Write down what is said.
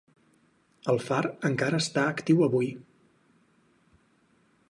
El far encara està actiu avui.